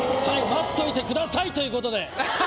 待っといてくださいということで。